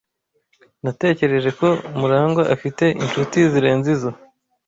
Natekereje ko Murangwa afite inshuti zirenze izo.